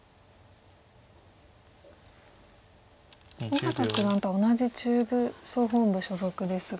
小県九段とは同じ中部総本部所属ですが。